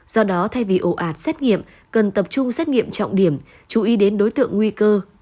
do đó thay vì ồ ạt xét nghiệm cần tập trung xét nghiệm trọng điểm chú ý đến đối tượng nguy cơ